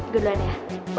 gue duluan ya